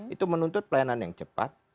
itu menuntut pelayanan yang cepat